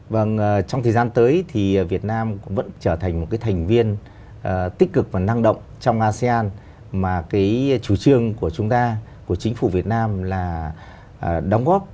vâng trong thời gian tới thì việt nam vẫn trở thành một cái thành viên tích cực và năng động trong asean mà cái chủ trương của chúng ta của chính phủ việt nam là đóng góp